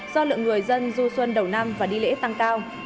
do lượng người dân du xuân đầu năm và đi lễ tăng cao